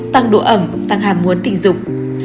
tăng độ ẩm tăng hàm muốn tình dục